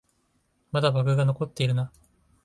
まだバグが残ってるな